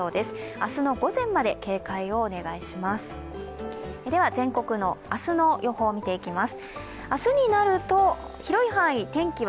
明日の午前まで警戒をお願いします。